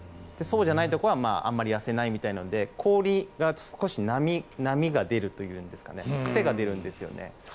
そうじゃないところはあんまり痩せないみたいなので氷が少し波が出るというか癖が出るんですよね。